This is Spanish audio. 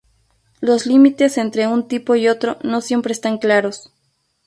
Los límites entre un tipo y otro no siempre están claros.